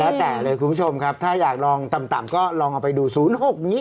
แล้วแต่เลยคุณผู้ชมครับถ้าอยากลองต่ำก็ลองเอาไปดู๐๖อย่างนี้